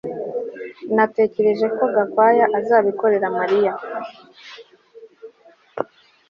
Natekereje ko Gakwaya azabikorera Mariya